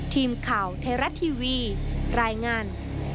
ทีมข่าวไทยรัฐทีวีรายงาน